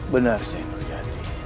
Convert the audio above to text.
benar say nur jati